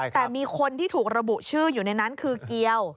แต่มีคนที่ถูกระบุชื่ออยู่ในนั้นคือเกียว